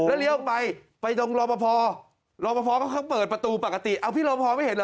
ก็เลี่ยวไปไปตรงรอปภรอปภเขาเขาเปิดประตูปกติเอาพี่รอปภไม่เห็นเหรอ